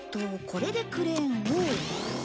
これでクレーンを。